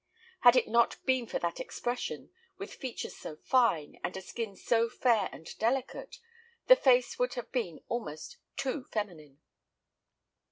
Had it not been for that expression, with features so fine, and a skin so fair and delicate, the face would have been almost too feminine.